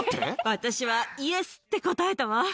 私はイエスって答えたわ。